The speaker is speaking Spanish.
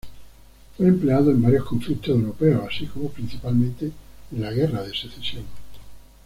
Fue empleado en varios conflictos europeos, así como principalmente en la Guerra de Secesión.